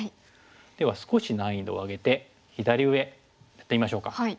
では少し難易度を上げて左上やってみましょうか。